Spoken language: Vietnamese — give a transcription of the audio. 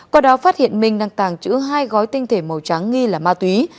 qua đó phát hiện minh đang tàng trữ hai gói tinh thể màu trắng nghi là ma túy